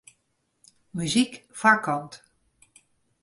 Muzyk foarkant.